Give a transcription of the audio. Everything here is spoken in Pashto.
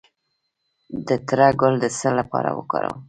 د تره ګل د څه لپاره وکاروم؟